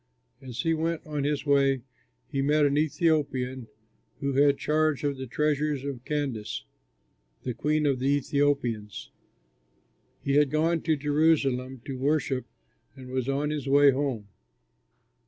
As he went on his way he met an Ethiopian who had charge of the treasures of Candace, the queen of the Ethiopians. He had gone to Jerusalem to worship and was on his way home.